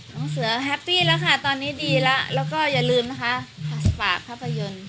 น้องเสือแฮปปี้แล้วค่ะตอนนี้ดีแล้วแล้วก็อย่าลืมนะคะฝากภาพยนตร์